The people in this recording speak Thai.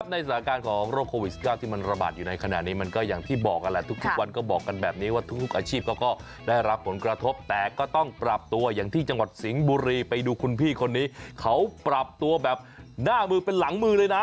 ในสถานการณ์ของโรคโควิด๑๙ที่มันระบาดอยู่ในขณะนี้มันก็อย่างที่บอกกันแหละทุกวันก็บอกกันแบบนี้ว่าทุกอาชีพเขาก็ได้รับผลกระทบแต่ก็ต้องปรับตัวอย่างที่จังหวัดสิงห์บุรีไปดูคุณพี่คนนี้เขาปรับตัวแบบหน้ามือเป็นหลังมือเลยนะ